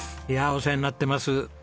いやあお世話になってます。